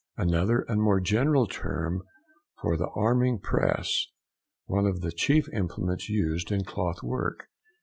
—Another and more general term for the arming press; one of the chief implements used in cloth work.